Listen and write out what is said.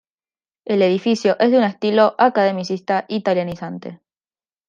El edificio es de un estilo academicista italianizante.